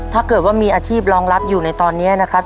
ถ้าเกิดว่ามีอาชีพรองรับอยู่ในตอนนี้นะครับ